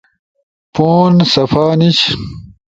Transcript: پون صفا نیِش۔